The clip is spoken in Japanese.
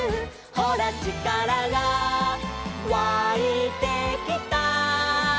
「ほらちからがわいてきた」